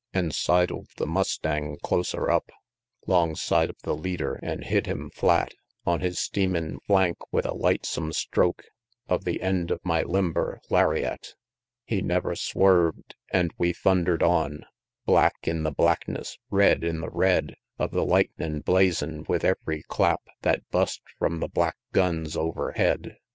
An' sidl'd the mustang closer up, 'Longside of the leader, an' hit him flat On his steamin' flank with a lightsome stroke Of the end of my limber lariat; He never swerv'd, an' we thunder'd on, Black in the blackness, red in the red Of the lightnin' blazin' with ev'ry clap That bust from the black guns overhead!